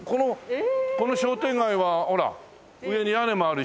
この商店街はほら上に屋根もあるしさ